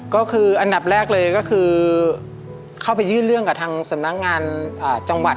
ก็คืออันดับแรกเลยก็คือเข้าไปยื่นเรื่องกับทางสำนักงานจังหวัด